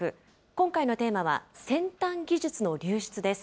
今回のテーマは、先端技術の流出です。